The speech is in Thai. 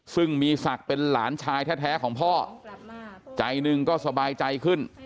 ซึ่งมีศักดิ์เป็นหลานชายแท้ของพ่อใจหนึ่งก็สบายใจขึ้น